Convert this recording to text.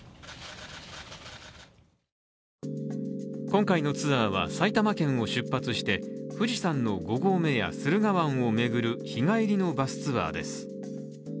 今回のツアーは、埼玉県を出発して富士山の五合目や駿河湾を巡る日帰りのバスツアーです。